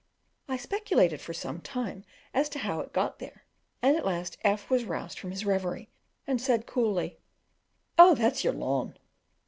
I speculated for some time as to how it got there, and at last F was roused from his reverie, and said coolly, "Oh, that's your lawn!"